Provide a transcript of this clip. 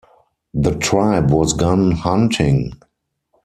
The tribe was gone hunting.